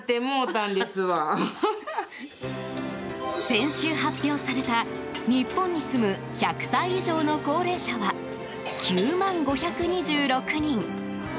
先週、発表された日本に住む１００歳以上の高齢者は９万５２６人。